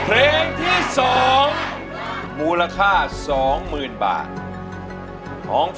ร้องได้ร้องได้ร้องได้ร้องได้